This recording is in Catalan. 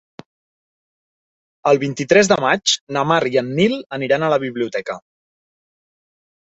El vint-i-tres de maig na Mar i en Nil aniran a la biblioteca.